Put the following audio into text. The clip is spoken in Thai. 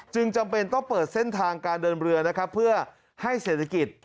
จำเป็นต้องเปิดเส้นทางการเดินเรือนะครับเพื่อให้เศรษฐกิจ